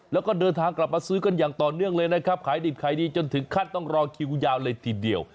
แล้วก็เดินทางกลับมาซื้อกันอย่างต่อเนื่องเลยนะครับขายดิบขายดีจนถึงขั้นต้องรอคิวยาวเลยทีเดียว